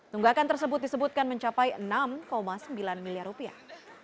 tunggakan tersebut disebutkan mencapai enam sembilan miliar rupiah